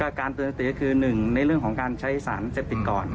การเตือนสติก็คือหนึ่งในเรื่องของการใช้สารเสพติดก่อน